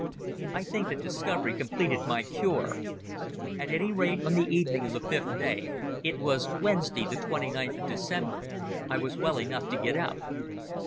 I think that discovery completed my cure. At any rate on the evening of the fifth day—it was Wednesday, the 29th of December—I was well enough to get up.